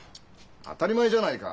当たり前じゃないか。